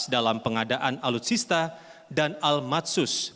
dalam pengadaan alutsista dan almatsus